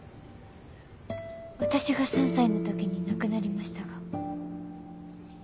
私が３歳の時に亡くなりましたが。